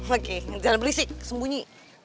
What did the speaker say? oke jangan beli sih sembunyi